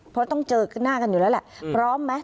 เพราะต้องเจอกันหน้ากันอยู่แล้วแหละ